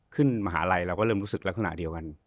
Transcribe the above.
มหาลัยเราก็เริ่มรู้สึกลักษณะเดียวกัน